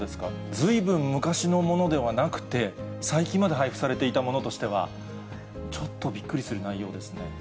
ずいぶん昔のものではなくて、最近まで配布されていたものとしては、ちょっとびっくりする内容ですね。